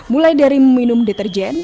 mulai dari meminum deterjian